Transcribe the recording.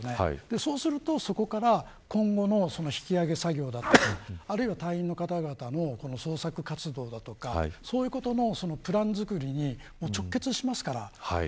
そうすると、そこから今後の引き揚げ作業であったりあるいは隊員の方々の捜索活動だとかそういうことのプラン作りに直結しますから。